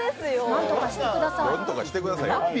なんとかしてください。